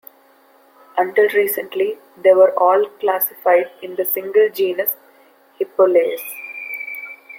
Until recently, they were all classified in the single genus "Hippolais".